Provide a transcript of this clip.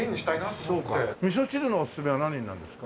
みそ汁のおすすめは何になるんですか？